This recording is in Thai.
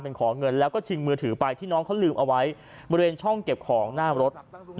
น้องเขาลืมเอาไว้บริเวณช่องเก็บของหน้ารถ